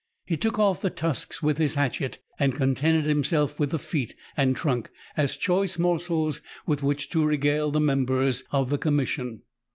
He took off the tusks with his hatchet, and contented him self with the feet and trunk, as choice morsels with which to regale the members of the Commission.